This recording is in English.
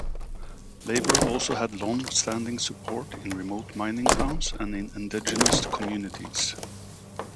Labor also had longstanding support in remote mining towns and indigenous communities.